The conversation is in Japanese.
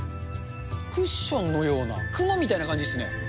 クッションのような、雲みたいな感じですね。